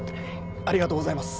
ありがとうございます。